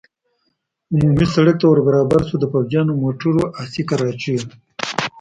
عمومي سړک ته ور برابر شو، د پوځیانو، موټرو، اسي کراچیو.